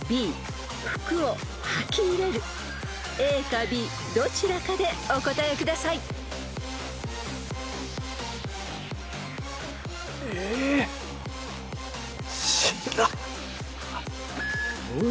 ［ＡかＢどちらかでお答えください］え知らん。